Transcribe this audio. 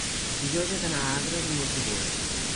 Dijous he d'anar a Agres amb autobús.